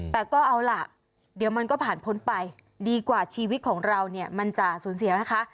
แต่ก็เอาล่ะเดี๋ยวมันก็ผ่านพ้นไปดีกว่าชีวิตของเราเนี่ยมันจะสูญเสียนะคะ